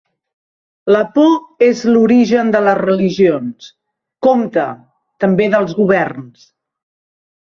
La por és l'origen de les religions. Compte: també dels governs!